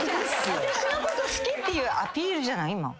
私のこと好きっていうアピールじゃない？